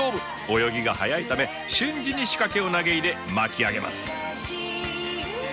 泳ぎが速いため瞬時に仕掛けを投げ入れ巻き上げます。